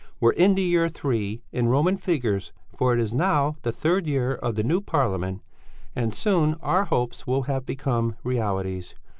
We're in the year three, in Roman figures, for it is now the third year of the new Parliament, and soon our hopes will have become realities.